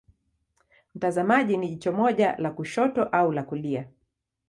Mtazamaji ni jicho moja la kushoto au la kulia.